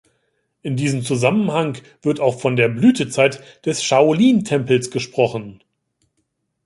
In diesem Zusammenhang wird auch von der Blütezeit des Shaolin-Tempels gesprochen.